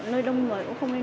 nơi đông người cũng không nên